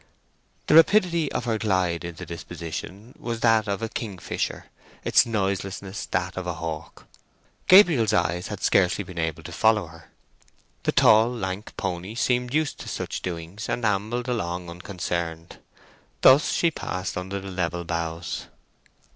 The rapidity of her glide into this position was that of a kingfisher—its noiselessness that of a hawk. Gabriel's eyes had scarcely been able to follow her. The tall lank pony seemed used to such doings, and ambled along unconcerned. Thus she passed under the level boughs.